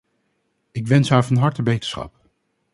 Ik wens haar van harte beterschap.